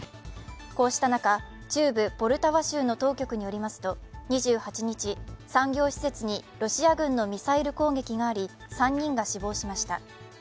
こうした中、中部ポルタワ州の当局によりますと２８日、産業施設にロシア軍のミサイル攻撃があり、３人が死亡しました。